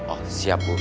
oh siap bu